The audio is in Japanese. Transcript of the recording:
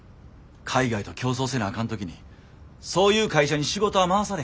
海外と競争せなあかん時にそういう会社に仕事は回されへんのよ。